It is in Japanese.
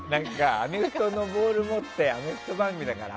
アメフトのボールを持ってさアメフト番組だから。